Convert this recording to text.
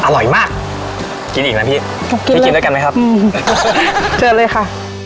อร่อยมากกินอีกแล้วพี่พี่กินด้วยกันไหมครับเจอเลยค่ะ